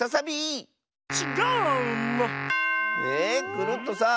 えっクルットさん